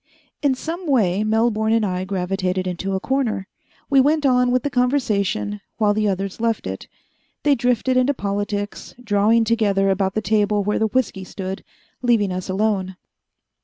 In some way Melbourne and I gravitated into a corner. We went on with the conversation while the others left it. They drifted into politics, drawing together about the table where the whisky stood, leaving us alone.